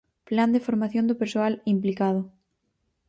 Plan de formación do persoal implicado.